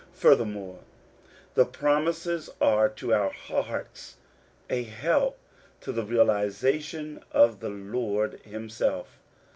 Furthermore, the promises are to our hearts a help to the realization of the Lord himself.